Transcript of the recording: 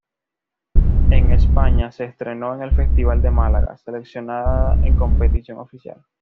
En España, se estrenó en el Festival de Málaga, seleccionada en competición oficial.